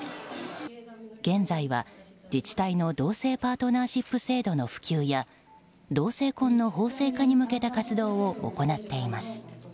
現在は自治体の同性パートナーシップ制度の普及や同性婚の法制化に向けた活動を行っています。